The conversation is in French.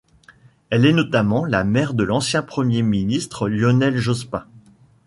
Elle est notamment la mère de l'ancien Premier ministre Lionel Jospin.